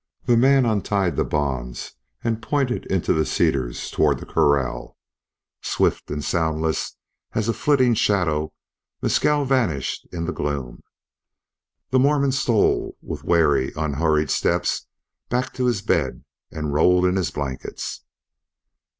The man untied the bonds and pointed into the cedars toward the corral. Swift and soundless as a flitting shadow Mescal vanished in the gloom. The Mormon stole with wary, unhurried steps back to his bed and rolled in his blankets.